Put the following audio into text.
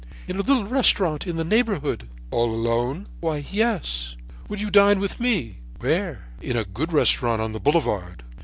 "'In a little restaurant in the neighborhood: "'All alone?' "'Why, yes.' "'Will you dine with me?' "'Where?' "'In a good restaurant on the Boulevard.'